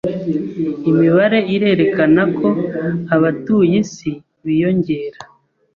Imibare irerekana ko abatuye isi biyongera.